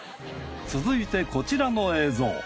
続いてこちらの映像。